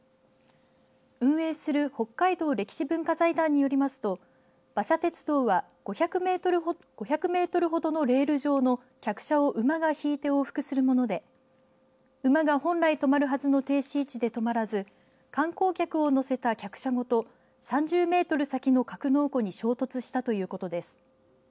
運営する北海道歴史文化財団によりますと馬車鉄道は５００メートルほどのレール上の客車を馬が引いて往復するもので馬が本来止まるはずの停止位置で止まらず観光客を乗せた客車ごと３０メートル先の格納庫に衝突したということです。